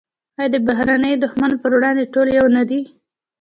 آیا د بهرني دښمن پر وړاندې ټول یو نه دي؟